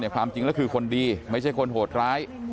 ความจริงแล้วคือคนดีไม่ใช่คนโหดร้าย